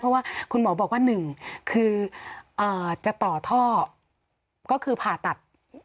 เพราะว่าคุณหมอบอกว่า๑คือจะต่อท่อก็คือผ่าตัด